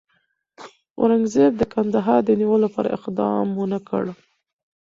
اورنګزېب د کندهار د نیولو لپاره اقدام ونه کړ.